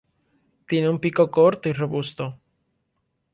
Tiene un pico corto y robusto.